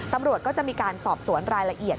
ตำรวจก็จะมีการสอบสวนรายละเอียด